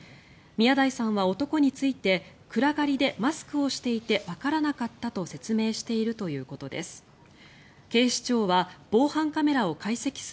宮台さんは、男について暗がりでマスクをしていてわからなかったと説明しているということです。